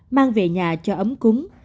mang về nhà cho ấm cúng